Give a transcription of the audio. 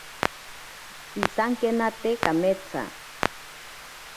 Pisankenate kametsa.